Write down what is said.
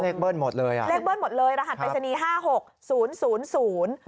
เลขเบิ้ลหมดเลยเลขเบิ้ลหมดเลยรหัสไปรษณีย์๕๖๐๐